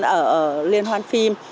ở liên hoan phim